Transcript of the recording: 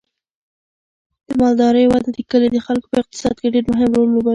د مالدارۍ وده د کلي د خلکو په اقتصاد کې ډیر مهم رول لوبوي.